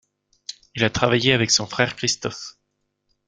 Il a travaillé avec son frère Christophe.